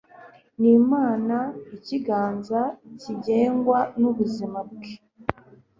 Ni imana ikiganza kigengwa nubwiza bwe